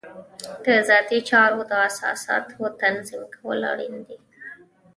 د ذاتي چارو د اساساتو تنظیم کول اړین دي.